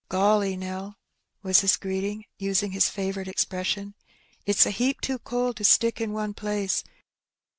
''Golly, Nell,'* was his greeting, using his favourite expression, ''it's a heap too cold to stick in one place.